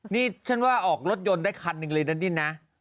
นี่ฉันว่าออกรถยนต์ได้คันหนึ่งเลยนะนี่นะ